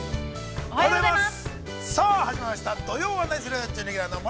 ◆おはようございます。